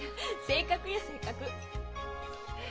性格よ性格。